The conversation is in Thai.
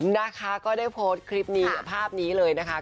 นะคะก็ได้โพสต์คลิปนี้ภาพนี้เลยนะคะ